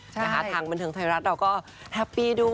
ทางบันเทิงไทยรัฐเราก็แฮปปี้ดู